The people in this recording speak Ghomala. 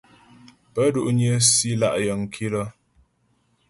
Pé dó'nyə́ si lá' yəŋ kilə́ ?